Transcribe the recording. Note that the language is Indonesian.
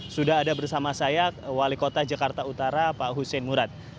sudah ada bersama saya wali kota jakarta utara pak hussein murad